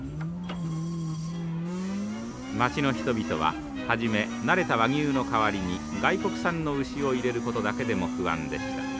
町の人々は初め慣れた和牛の代わりに外国産の牛を入れることだけでも不安でした。